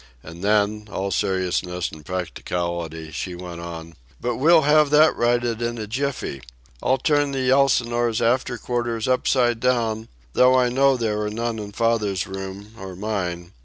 And then, all seriousness and practicality, she went on: "But we'll have that righted in a jiffy. I'll turn the Elsinore's after quarters upside down, though I know there are none in father's room or mine.